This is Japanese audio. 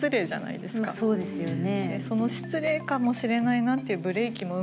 そうですよね。